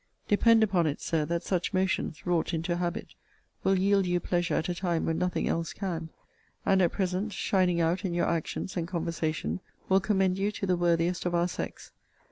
Depend upon it, Sir, that such motions, wrought into habit, will yield you pleasure at a time when nothing else can; and at present, shining out in your actions and conversation, will commend you to the worthiest of our sex.